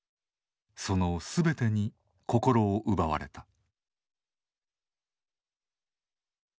その全てに心を奪われた。